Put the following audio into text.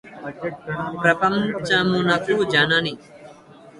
ప్రపంచమునకు జనని